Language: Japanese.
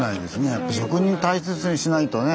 やっぱ職人大切にしないとね。